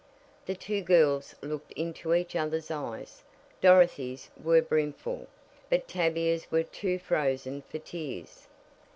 The two girls looked into each other's eyes. Dorothy's were brimful, but Tavia's were too "frozen" for tears.